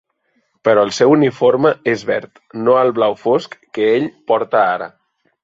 Però el seu uniforme és verd, no el blau fosc que ell porta ara.